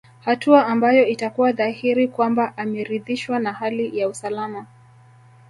Hatua ambayo itakuwa dhahiri kwamba ameridhishwa na hali ya usalama